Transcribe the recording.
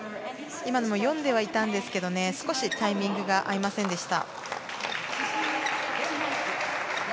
今のも読んではいたんですが少しタイミングが合いませんでした。